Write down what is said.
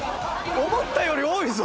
思ったより多いぞ。